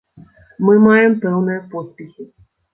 Мы маем пэўныя поспехі.